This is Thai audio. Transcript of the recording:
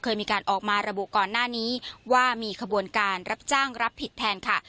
เคยมีการออกมาระบุก่อนหน้านี้ว่ามีขบวนการรับจ้างรับผิดแทนค่ะ